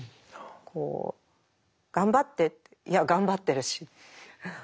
こう「頑張って」っていや頑張ってるし。